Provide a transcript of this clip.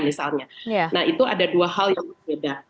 nah itu ada dua hal yang berbeda